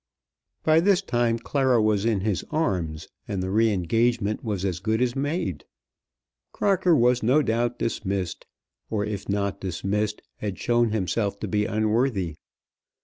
By this time Clara was in his arms, and the re engagement was as good as made. Crocker was no doubt dismissed, or if not dismissed had shown himself to be unworthy.